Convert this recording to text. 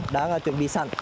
đang chuẩn bị sẵn